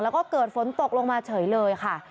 แล้วก็เกิดฝนตกลงมาเฉยเลยค่ะ